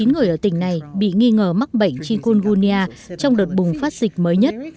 hai mươi chín người ở tỉnh này bị nghi ngờ mắc bệnh chikungunya trong đợt bùng phát dịch mới nhất